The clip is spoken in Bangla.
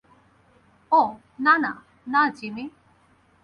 ওহ, না, না, না, জিমি।